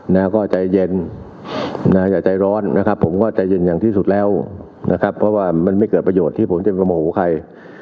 นะก็ใจเย็นนะอย่าใจร้อนนะครับผมก็ใจเย็นอย่างที่สุดแล้วนะครับเพราะว่ามันไม่เกิดประโยชน์ที่ผมจะไปโมโหใคร